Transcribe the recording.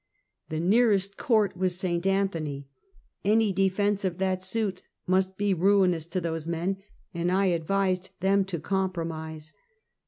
The nearest court was St. Anthony. Any defense of that suit must be ruinous to those men, and I advised them to compromise.